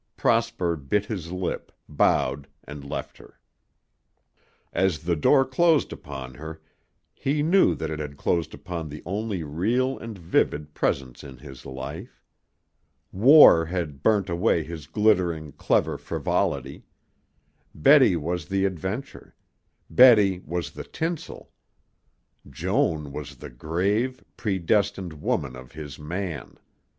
Prosper bit his lip, bowed and left her. As the door closed upon her, he knew that it had closed upon the only real and vivid presence in his life. War had burnt away his glittering, clever frivolity. Betty was the adventure, Betty was the tinsel; Joan was the grave, predestined woman of his man.